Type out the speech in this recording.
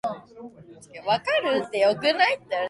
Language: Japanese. バイーア州の州都はサルヴァドールである